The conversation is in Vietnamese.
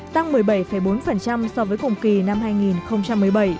tăng một mươi bảy bốn so với cùng kỳ năm hai nghìn một mươi bảy